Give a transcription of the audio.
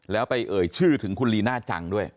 แล้วไปเอ่ยชื่อถึงคุณลีน่าจังด้วย